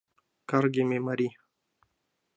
Каргыме марий...